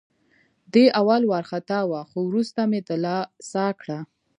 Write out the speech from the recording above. دی اول وارخطا وه، خو وروسته مې دلاسا کړه.